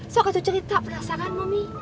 sok kata cerita penasaran mami